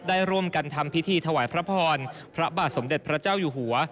ได้ร่วมกันทำพิธีถวายพระพรพระบาทสมเด็จพระเจ้าอยู่หัว